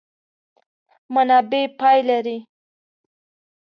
منابع پای لري.